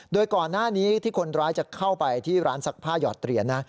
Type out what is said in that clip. โดยก่อนหน้านี้ที่คนร้ายจะเข้าไปที่ร้านซักผ้าหยอดเหรียญนะ